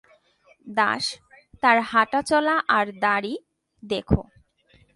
দাস, তার হাঁটা চলা আর দাড়ি দেখ্!